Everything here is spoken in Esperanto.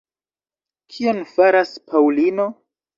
Kion faras Paŭlino?